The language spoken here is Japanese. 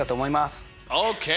ＯＫ。